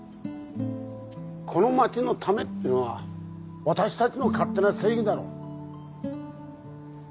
この町のためってのは私たちの勝手な正義だろう。